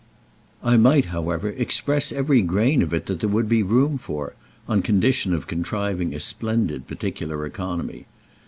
I might, however, express every grain of it that there would be room for—on condition of contriving a splendid particular economy.